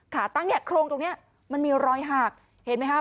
ขาตั้งเนี่ยโครงตรงนี้มันมีรอยหักเห็นไหมครับ